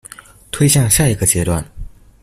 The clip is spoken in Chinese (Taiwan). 推向下一個階段